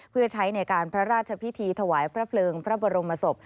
เพื่อใช้ในการพระราชพิธีถวายพระเพลิงพระบรมศพ